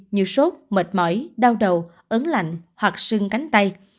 như sốt mệt mỏi đau đầu ấn lạnh hoặc xương cánh tay